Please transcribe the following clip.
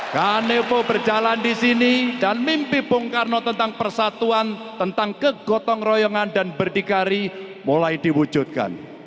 kanevo berjalan disini dan mimpi pungkarno tentang persatuan tentang kegotong royongan dan berdikari mulai diwujudkan